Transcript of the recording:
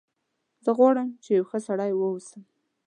زه غواړم چې یو ښه سړی و اوسم